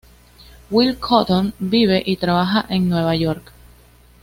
Will Cotton vive y trabaja en Nueva York.